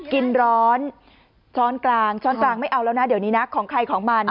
กินร้อนช้อนกลางช้อนกลางไม่เอาแล้วนะเดี๋ยวนี้นะของใครของมัน